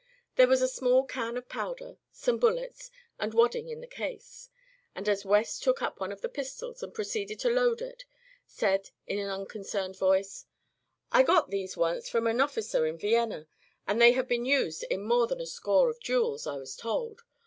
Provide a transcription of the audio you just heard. There was a small can of powder, some bullets and wadding in the case, and as West took up one of the pistols and proceeded to load it he said in an unconcerned voice: "I once got these from an officer in Vienna, and they have been used in more than a score of duels, I was told.